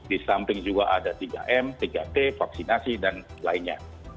di samping juga ada tiga m tiga t vaksinasi dan lainnya